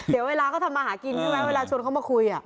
เดี๋ยวเวลาเขาทำมาหากินใช่ไหมเวลาชวนเขามาคุย